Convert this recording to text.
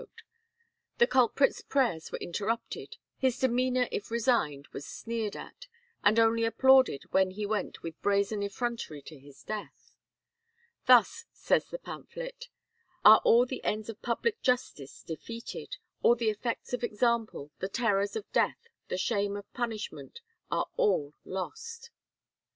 The culprit's prayers were interrupted, his demeanour if resigned was sneered at, and only applauded when he went with brazen effrontery to his death. "Thus," says the pamphlet, "are all the ends of public justice defeated; all the effects of example, the terrors of death, the shame of punishment, are all lost."